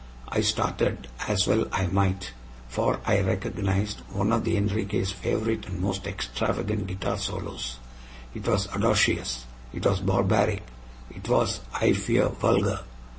I started as well I might for I recognized one of Enriquez' favorite and most extravagant guitar solos. It was audacious; it was barbaric; it was, I fear, vulgar.